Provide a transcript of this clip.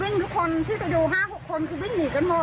วิ่งทุกคนที่จะดู๕๖คนวิ่งไม้กันหมด